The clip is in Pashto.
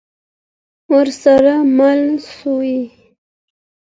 ورسره مل سوي.